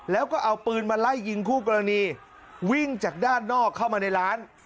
แล้วก็เอาปืนมาไล่ยิงคู่กรณีวิ่งจากด้านนอกเข้ามาในร้าน